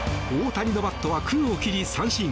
大谷のバットは空を切り三振。